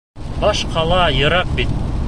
Баш ҡала йыраҡ бит.